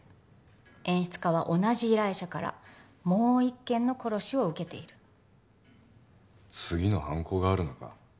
２演出家は同じ依頼者からもう１件の殺しを受けている次の犯行があるのか？